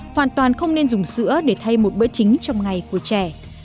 hoàn toàn không nên dùng sữa để thay một bữa chính trong ngày của trẻ